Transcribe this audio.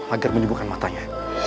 agar menimbulkan matanya